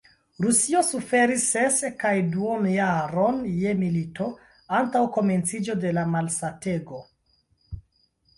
Rusio suferis ses kaj duonjaron je milito, antaŭ komenciĝo de la malsatego.